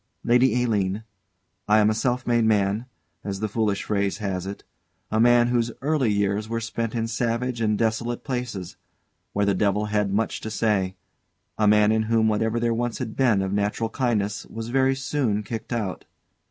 _] Lady Aline, I am a self made man, as the foolish phrase has it a man whose early years were spent in savage and desolate places, where the devil had much to say; a man in whom whatever there once had been of natural kindness was very soon kicked out.